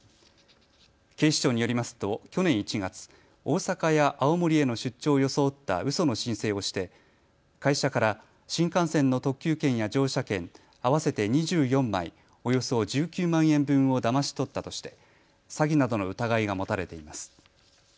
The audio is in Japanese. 警視庁によりますと去年１月、大阪や青森への出張を装ったうその申請をして会社から新幹線の特急券や乗車券、合わせて２４枚およそ１９万円分をだまし取ったとして詐欺などの疑いが持たれています。